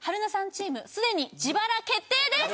チームすでに自腹決定です！